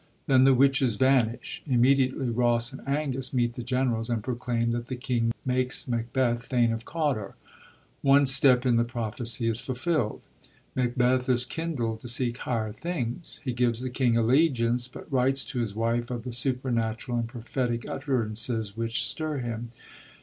Then the witches vanish. Immediately, Ross and Angus meet the generals, and proclaim that the king makes Macbeth thane of Cawdor. One step in the prophecy is fulfild. Macbeth is kindled to seek higher things. He gives the king allegiance, but writes to his wife of the supernatural and prophetic utterances which stir him.